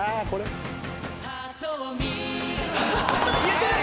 言ってる！